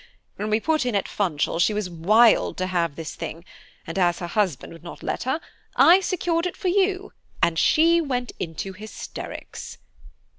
When we put in at Funchal she was wild to have this thing, and as her husband would not let her, I secured it for you, and she went into hysterics."